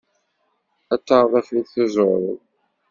Ad taɣeḍ afud tuẓureḍ.